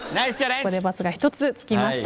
ここでバツが１つつきました。